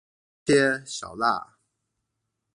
要切小辣